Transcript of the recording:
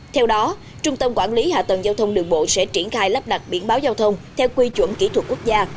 theo đó trung tâm quản lý hạ tầng giao thông đường bộ sẽ triển khai lắp đặt biển báo giao thông theo quy chuẩn kỹ thuật quốc gia